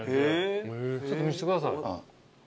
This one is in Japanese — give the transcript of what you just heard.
ちょっと見せてください。